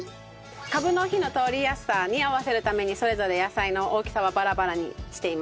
カブの火の通りやすさに合わせるためにそれぞれ野菜の大きさはバラバラにしています。